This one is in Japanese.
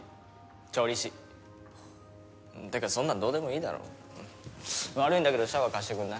調理師ってかそんなのどうでもいいだろ悪いんだけどシャワー貸してくんない？